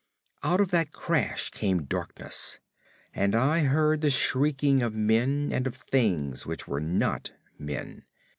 Out of that crash came darkness, and I heard the shrieking of men and of things which were not men.